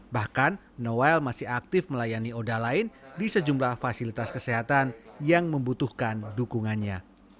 bahkan noel masih aktif melayani oda lain di sejumlah fasilitas kesehatan yang membutuhkan dukungannya